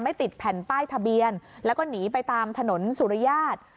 ติดแผ่นป้ายทะเบียนแล้วก็หนีไปตามถนนสุริยาท